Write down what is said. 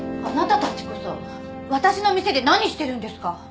あなたたちこそ私の店で何してるんですか？